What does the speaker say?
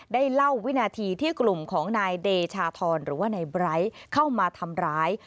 เล่าวินาทีที่กลุ่มของนายเดชาธรหรือว่านายไบร์ทเข้ามาทำร้าย